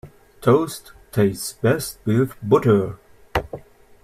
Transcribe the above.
Toast tastes best with butter.